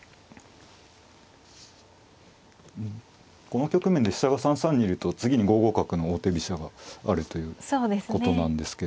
この局面で飛車が３三にいると次に５五角の王手飛車があるということなんですけど。